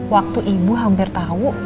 waktu ibu hampir tau